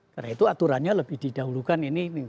karena itu aturannya lebih didahulukan ini